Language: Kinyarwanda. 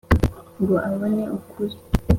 ngo abone ukuri.